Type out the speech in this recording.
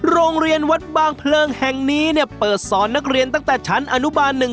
โรงเรียนวัดบางเพลิงแห่งนี้เนี่ยเปิดสอนนักเรียนตั้งแต่ชั้นอนุบาลหนึ่ง